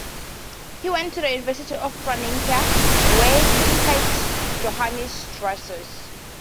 He went to the University of Franeker, where he heard Johannes Drusius.